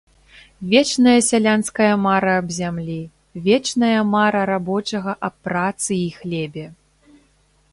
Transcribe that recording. Вечная сялянская мара аб зямлі, вечная мара рабочага аб працы і хлебе!